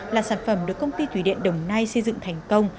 là sản phẩm được công ty thủy điện đồng nai xây dựng thành công